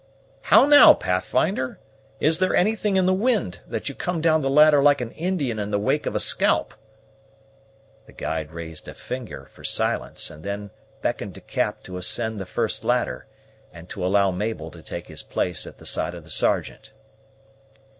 How now, Pathfinder! is there anything in the wind, that you come down the ladder like an Indian in the wake of a scalp?" The guide raised a finger for silence and then beckoned to Cap to ascend the first ladder, and to allow Mabel to take his place at the side of the Sergeant.